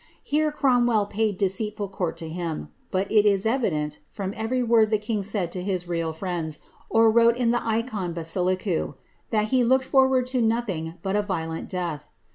Here Cromwell paid deceitful court to him ; but it ih evident, from every word the king said to his real friends, or wroCt in the Eikon Basilikou, that he looked forward to nothing but a lioleot death.